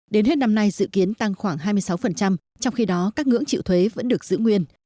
đến hết năm nay dự kiến tăng khoảng hai mươi sáu trong khi đó các ngưỡng chịu thuế vẫn được giữ nguyên